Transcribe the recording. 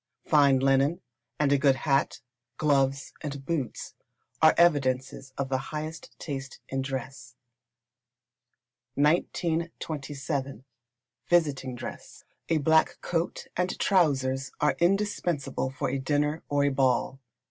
Fine linen, and a good hat, gloves, and boots, are evidences of the highest taste in dress. 1927. Visiting Dress. A black coat and trousers are indispensable for a dinner, or a ball.